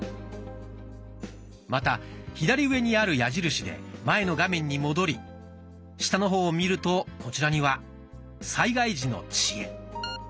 また左上にある矢印で前の画面に戻り下の方を見るとこちらには「災害時の知恵」。